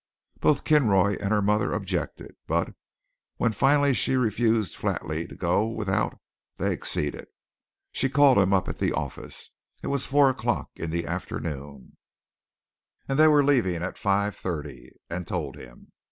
Both Kinroy and her mother objected, but, when finally she refused flatly to go without, they acceded. She called him up at the office it was four o'clock in the afternoon, and they were leaving at five thirty and told him.